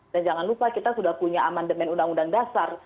dan jangan lupa kita sudah punya amandemen undang undang dasar